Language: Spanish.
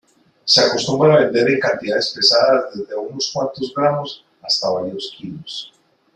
Se acostumbra vender en cantidades pesadas desde unos cuantos gramos hasta varios kilos.